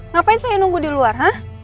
ngapain saya nunggu di luar nah